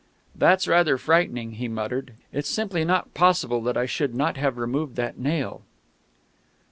"That's rather frightening," he muttered. "It's simply not possible that I should not have removed that nail...."